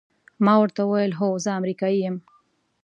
ما ورته وویل: هو، زه امریکایی یم.